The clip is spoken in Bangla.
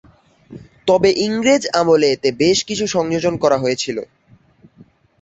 তবে ইংরেজ আমলে এতে বেশ কিছু সংযোজন করা হয়েছিল।